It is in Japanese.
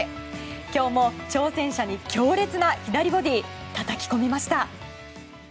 今日も挑戦者に強烈な左ボディーをたたき込みました。